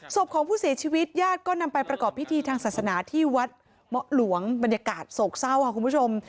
ศพของผู้เสียชีวิตญาติก็นำไปประกอบพิธีทางศาสนาที่วัดเมาะหลวงบรรยากาศโศกเศร้าค่ะคุณผู้ชม